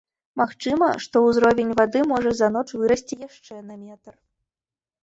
Магчыма, што ўзровень вады можа за ноч вырасці яшчэ на метр.